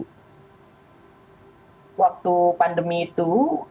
waktu pandemi itu